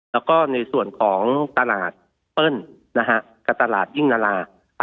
แล้วก็ในส่วนของตลาดเปิ้ลกับตลาดยิ่งนารา